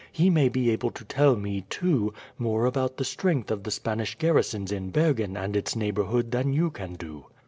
He may be able to tell me, too, more about the strength of the Spanish garrisons in Bergen and its neighbourhood than you can do."